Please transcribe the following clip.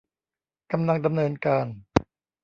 กำลังดำเนินการ